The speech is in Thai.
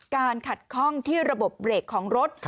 การขัดคล่องที่ระบบเบรกของรถ